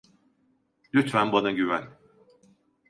Lütfen bana güven.